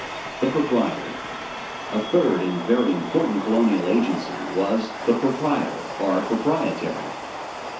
=The Proprietor.= A third and very important colonial agency was the proprietor, or proprietary.